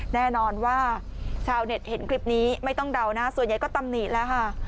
แน่นอนว่าชาวเน็ตเห็นคลิปนี้ไม่ต้องเดานะส่วนใหญ่ก็ตำหนิแล้วค่ะ